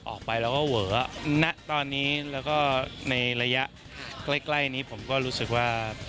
ออกไปแล้วก็เวอะณตอนนี้แล้วก็ในระยะใกล้นี้ผมก็รู้สึกว่า